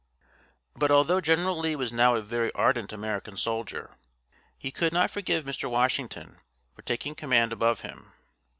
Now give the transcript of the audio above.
But, although General Lee was now a very ardent American soldier, he could not forgive Mr. Washington for taking command above him.